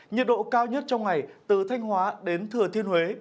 nhiệt độ cao nhất trong ngày từ thanh hóa đến thừa thiên huế